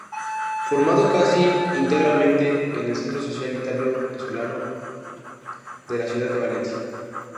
Formado casi íntegramente en el Centro Social Ítalo Venezolano de la ciudad de Valencia.